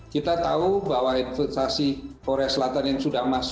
kita tahu bahwa investasi korea selatan ini sudah berhasil